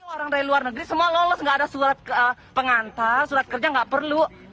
orang dari luar negeri semua lolos nggak ada surat pengantar surat kerja nggak perlu